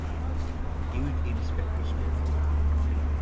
Used in spectroscopy.